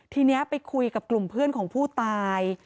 ทีนี้ไปคุยกับกลุ่มเพื่อนของผู้ตาย